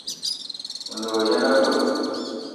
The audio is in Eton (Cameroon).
Me ne wa yene aveu?